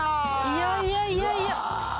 いやいやいやいや。